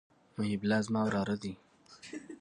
محب الله زما وراره دئ.